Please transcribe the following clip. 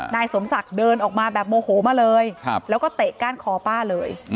นายสมศักดิ์เดินออกมาแบบโมโหมาเลยแล้วก็เตะก้านคอป้าเลย